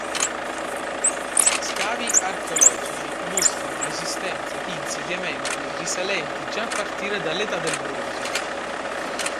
Scavi archeologici mostrano l'esistenza di insediamenti risalenti già a partire all'età del bronzo.